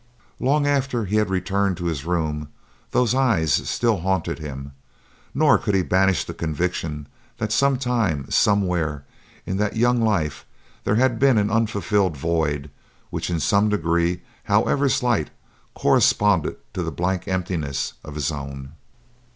Long after he had returned to his room those eyes still haunted him, nor could he banish the conviction that some time, somewhere, in that young life there had been an unfilled void which in some degree, however slight, corresponded to the blank emptiness of his own.